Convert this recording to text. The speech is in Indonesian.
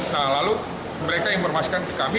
nah lalu mereka informasikan ke kami